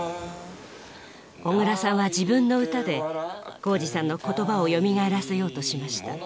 小椋さんは自分の歌で宏司さんの言葉をよみがえらせようとしました。